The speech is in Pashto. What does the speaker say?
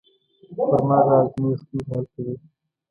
خرما د هاضمې ستونزې حل کوي.